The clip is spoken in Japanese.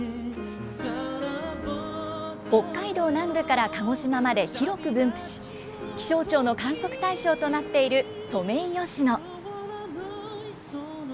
北海道南部から鹿児島まで広く分布し、気象庁の観測対象となっているソメイヨシノ。